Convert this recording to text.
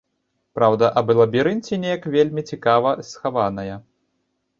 Праўда аб лабірынце неяк вельмі цікава схаваная.